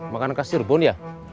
makanan kasir pun ya